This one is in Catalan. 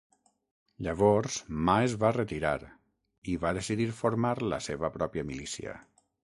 Llavors Ma es va retirar i va decidir formar la seva pròpia milícia.